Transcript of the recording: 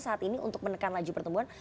saat ini untuk menekan laju pertumbuhan